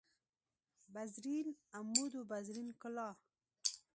بزرین عمود و بزرین کلاه